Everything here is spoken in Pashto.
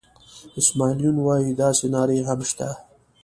اسماعیل یون وایي داسې نارې هم شته.